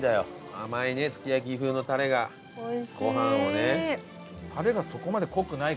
甘いねすき焼き風のタレがご飯をね。